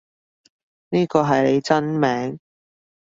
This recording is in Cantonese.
呢個係你真名？